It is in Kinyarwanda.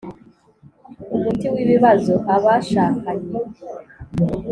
Umuti w ibibazo abashakanye